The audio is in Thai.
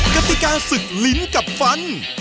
กติกาศึกลิ้นกับฟัน